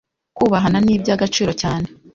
Kubahana ni iby’agaciro cyane